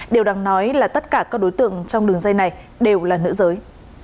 điều đáng nói là tất cả các đối tượng trong đường dây này đều là nữ giới